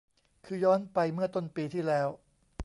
คือย้อนไปเมื่อต้นปีที่แล้ว